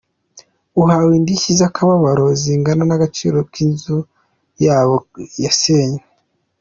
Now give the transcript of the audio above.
Uhabwe indishyi z’akababaro zingana n’agaciro k’inzu yabo yasenywe.